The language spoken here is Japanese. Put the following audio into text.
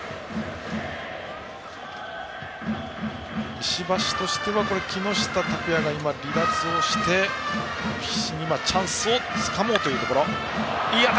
石橋としては木下拓哉が今、離脱していて必死にチャンスをつかもうというところ。